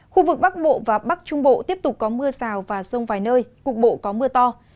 khu vực bắc bộ và bắc trung bộ tiếp tục có mưa rào và rông vài nơi cục bộ có mưa to